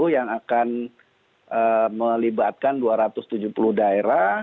yang akan melibatkan dua ratus tujuh puluh daerah